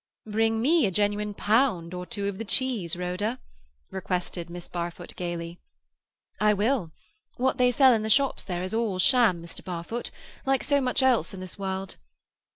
"Bring me a genuine pound or two of the cheese, Rhoda," requested Miss Barfoot gaily. "I will. What they sell in the shops there is all sham, Mr. Barfoot—like so much else in this world."